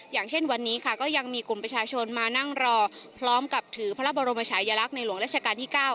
อย่างเช่นวันนี้ค่ะก็ยังมีกลุ่มประชาชนมานั่งรอพร้อมกับถือพระบรมชายลักษณ์ในหลวงราชการที่๙